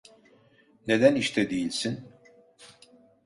Neden işte değilsin?